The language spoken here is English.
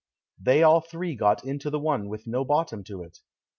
They all three got into the one with no bottom to it.